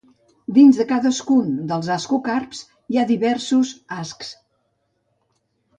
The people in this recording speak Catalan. Dins de cadascun dels ascocarps hi ha diversos ascs.